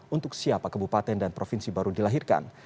untuk siapa kebupaten dan provinsi baru dilahirkan